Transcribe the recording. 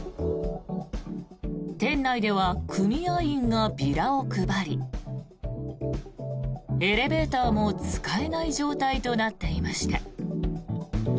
店内では組合員がビラを配りエレベーターも使えない状態となっていました。